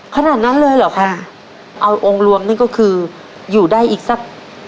ขนาดนั้นเลยเหรอคะเอาองค์รวมนี่ก็คืออยู่ได้อีกสัก